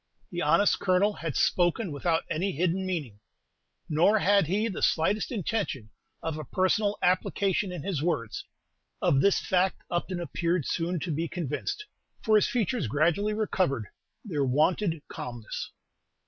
The honest Colonel had spoken without any hidden meaning, nor had he the slightest intention of a personal application in his words. Of this fact Upton appeared soon to be convinced, for his features gradually recovered their wonted calmness.